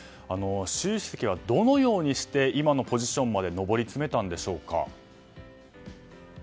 習主席はどのようにして今のポジションまで上り詰めたんでしょうか。